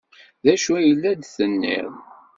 D acu ay la d-tenniḍ?